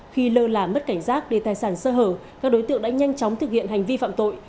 khi lơ là mất cảnh giác để tài sản sơ hở các đối tượng đã nhanh chóng thực hiện hành vi phạm tội